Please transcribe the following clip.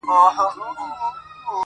• د غم په شپه یې خدای پیدا کړی -